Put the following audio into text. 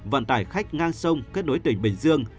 vận tải khách ngang sông kết nối tỉnh bình dương